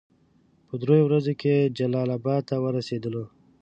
په دریو ورځو کې جلال اباد ته ورسېدلو.